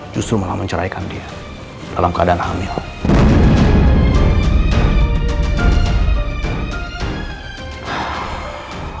justru malah menceraikan dia dalam keadaan hamil